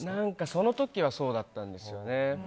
その時はそうだったんですよね。